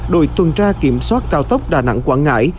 đội tuần tra kiểm soát cao tốc đà nẵng quảng ngãi